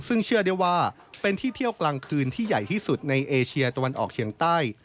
ซึ่งเชื่อได้ว่าเป็นที่เที่ยวกลางคืนที่ใหญ่ที่สุดในเอเชียตะวันออกเฉียงใต้